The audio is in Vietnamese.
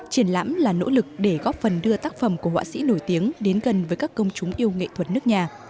triển lãm là nỗ lực để góp phần đưa tác phẩm của họa sĩ nổi tiếng đến gần với các công chúng yêu nghệ thuật nước nhà